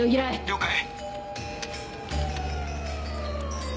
了解。